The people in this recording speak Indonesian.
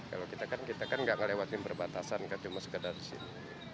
kalau kita kan kita kan nggak ngelewatin perbatasan kan cuma sekedar di sini